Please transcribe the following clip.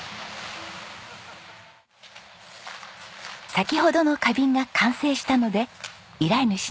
先ほどの花瓶が完成したので依頼主に届けます。